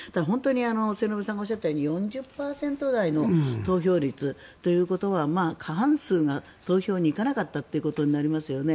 末延さんがおっしゃったように４０％台の投票率ということはまあ過半数が投票に行かなかったということになりますよね。